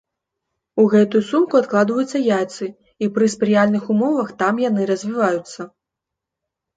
У гэтую сумку адкладваюцца яйцы, і пры спрыяльных умовах там яны развіваюцца.